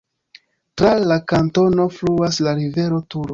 Tra la kantono fluas la rivero Turo.